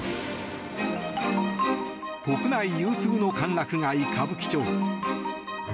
国内有数の歓楽街・歌舞伎町。